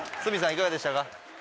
いかがでしたか？